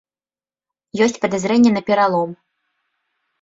Ёсць падазрэнне на пералом.